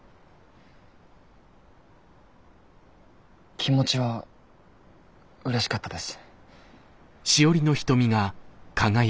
気持ちはうれしかったです。